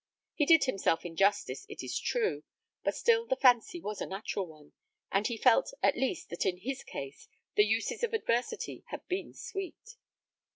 He did himself injustice, it is true, but still the fancy was a natural one; and he felt, at least, that in his case 'the uses of adversity had been sweet.'